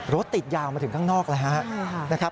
รถติดยาวมาถึงข้างนอกแล้วครับ